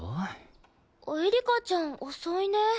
エリカちゃん遅いね。